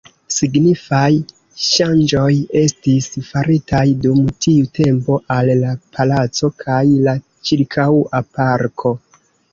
Signifaj ŝanĝoj estis faritaj dum tiu tempo al la palaco kaj la ĉirkaŭa parko.